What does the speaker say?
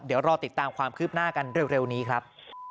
เดี๋ยวรอติดตามความคืบหน้ากันเร็วนี้ครับ